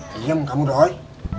diam kamu doi